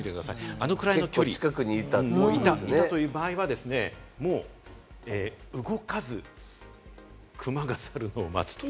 あのぐらいの距離という場合は動かず、クマが去るのを待つ。